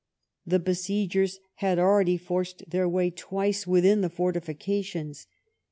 The besiegers had already forced their way twice within the fortifications.